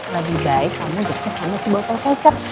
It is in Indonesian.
lebih baik kamu deket sama si botol kecap